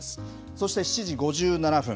そして、７時５７分。